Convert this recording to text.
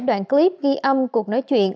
đoạn clip ghi âm cuộc nói chuyện